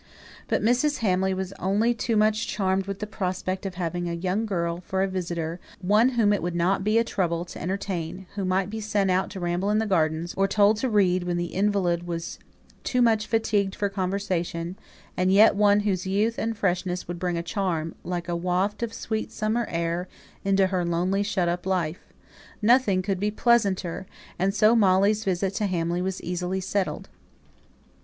But Mrs. Hamley was only too much charmed with the prospect of having a young girl for a visitor; one whom it would not be a trouble to entertain; who might be sent out to ramble in the gardens, or told to read when the invalid was too much fatigued for conversation; and yet one whose youth and freshness would bring a charm, like a waft of sweet summer air, into her lonely shut up life. Nothing could be pleasanter, and so Molly's visit to Hamley was easily settled.